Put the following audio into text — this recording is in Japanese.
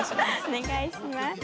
お願いします。